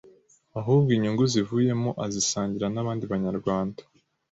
ahubwo inyungu zivuyemo azisangira n’abandi Banyarwanda.